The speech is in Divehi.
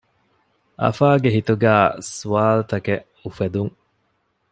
އަފާގެ ހިތުގައި ސްވާލުތަކެއް އުފެދުން